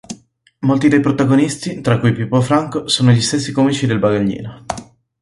Molti dei protagonisti, tra cui Pippo Franco, sono gli stessi comici del Bagaglino.